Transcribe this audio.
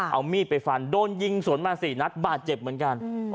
เอามีดไปฟันโดนยิงสวนมา๔นัดบาดเจ็บเหมือนกัน